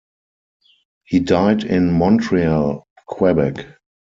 He died in Montreal, Quebec.